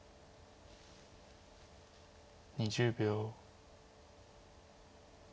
２０秒。